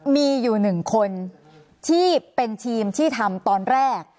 มีอยู่๑คนที่เป็นทีมที่ทำตอนแรก